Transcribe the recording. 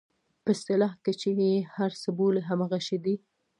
په اصطلاح کې چې یې هر څه بولئ همغه شی دی.